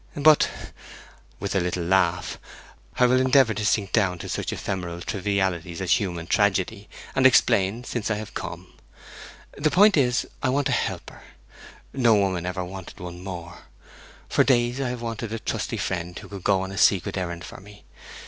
But,' with a little laugh, 'I will endeavour to sink down to such ephemeral trivialities as human tragedy, and explain, since I have come. The point is, I want a helper: no woman ever wanted one more. For days I have wanted a trusty friend who could go on a secret errand for me.